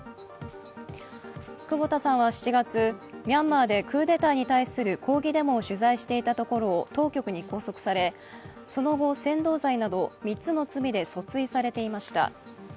久保田さんは７月、ミャンマーでクーデターに対する抗議デモを取材していたところを当局に拘束され、その後扇動罪など３つの罪で訴追されていました。